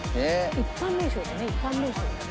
一般名称だよね。